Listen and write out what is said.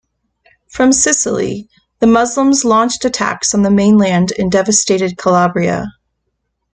From Sicily, the Muslims launched attacks on the mainland and devastated Calabria.